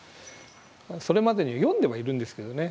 それまでに読んではいるんですけどね。